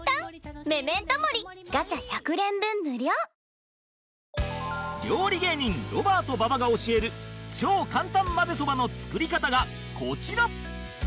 キッコーマン料理芸人ロバート馬場が教える超簡単まぜそばの作り方がこちら！